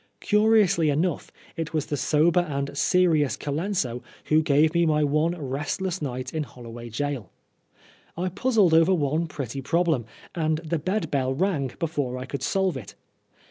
Curiously enough, it was the sober and serious Colenso who gave me my one restless night in HoUoway Gaol. I puzzled over one pretty problem, and the bed bell rang before I could solve it.